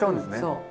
そう。